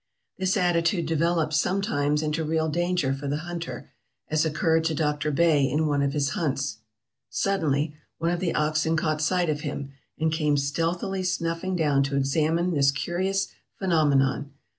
This attitude develops sometimes into real danger for the hunter, as occurred to Dr. Bay in one of his hunts: "Suddenly one of the oxen caught sight of him, and came stealthily snuffing down to examine this curious phenomenon.